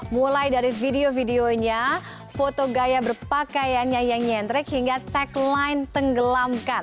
mulai dari video videonya foto gaya berpakaiannya yang nyentrik hingga tagline tenggelamkan